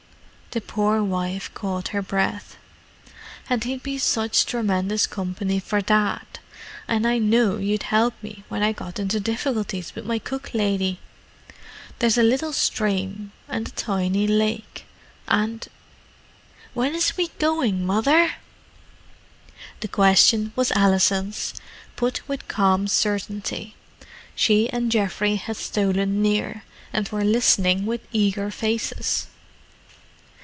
The poor wife caught her breath. "And he'd be such tremendous company for Dad, and I know you'd help me when I got into difficulties with my cook lady. There's a little stream, and a tiny lake, and——" "When is we goin', Muvver?" The question was Alison's, put with calm certainty. She and Geoffrey had stolen near, and were listening with eager faces.